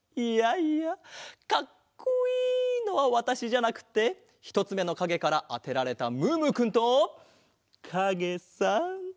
いやいやかっこいいのはわたしじゃなくってひとつめのかげからあてられたムームーくんとかげさ。